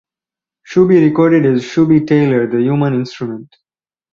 Shooby recorded as Shooby Taylor, the human instrument.